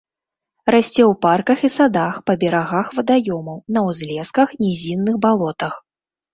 Расце ў парках і садах, па берагах вадаёмаў, на ўзлесках, нізінных балотах.